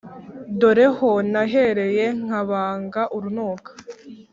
dore ho nahereye nkabanga urunuka.